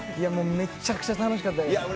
めっちゃくちゃ楽しかったです。